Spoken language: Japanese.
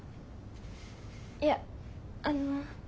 いやあの。